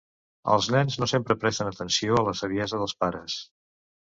Els nens no sempre presten atenció a la saviesa dels pares.